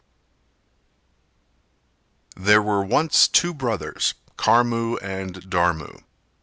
There were once two brothers Karmu and Dharmu.